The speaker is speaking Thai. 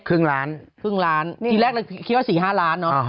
ครึ่งล้านครึ่งล้านทีแรกคิดว่าสี่ห้าล้านเนอะ